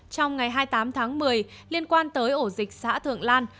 trong ngày hai mươi tám tháng một mươi liên quan tới ổ dịch xã thượng lan